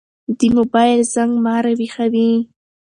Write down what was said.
د موبايل زنګ ما راويښوي.